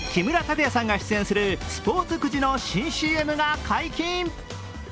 木村拓哉さんが出演するスポーツくじの新ＣＭが解禁。